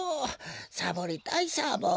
サボりたいサボ。